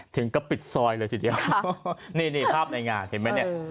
ถึงกับปิดซอยเลยทีเดียวนี่นี่ภาพในงานเห็นไหมเนี่ย